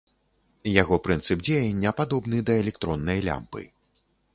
Яго прынцып дзеяння падобны да электроннай лямпы.